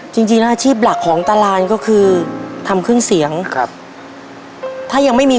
จริงจริงอาชีพหลักของตารานก็คือทำเครื่องเสียงครับถ้ายังไม่มี